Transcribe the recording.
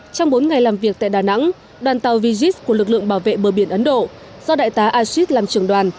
trong bốn ngày làm việc tại đà nẵng đoàn tàu vigis của lực lượng bảo vệ bờ biển ấn độ do đại tá ashit làm trưởng đoàn